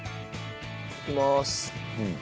いきまーす。